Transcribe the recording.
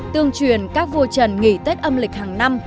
tương truyền các vua trần nghỉ tết âm lịch hàng năm